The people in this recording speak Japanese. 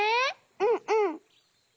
うんうん。